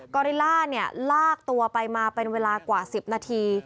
อริล่าลากตัวไปมาเป็นเวลากว่า๑๐นาที